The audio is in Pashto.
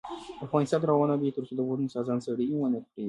افغانستان تر هغو نه ابادیږي، ترڅو د پوهنتون استادان څیړنې ونکړي.